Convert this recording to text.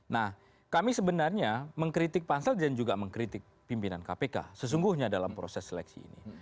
nah kami sebenarnya mengkritik pansel dan juga mengkritik pimpinan kpk sesungguhnya dalam proses seleksi ini